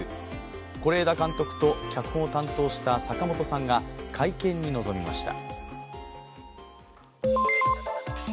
是枝監督と脚本を担当した坂元さんが会見に臨みました。